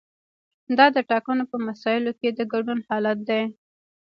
دا د ټاکنو په مسایلو کې د ګډون حالت دی.